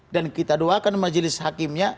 dan kita doakan majelis hakimnya